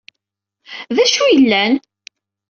D acu yellan?